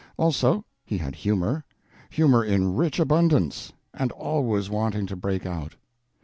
Also, he had humor, humor in rich abundance, and always wanting to break out.